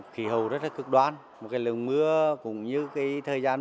kỳ hầu rất là cực đoan một lần mưa cũng như thời gian